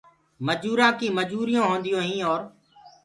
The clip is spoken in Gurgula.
مجورآن ڪي مجوريون هونديون هين اور